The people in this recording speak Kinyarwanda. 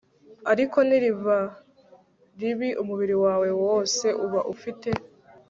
ariko niriba ribi umubiri wawe wose uba ufite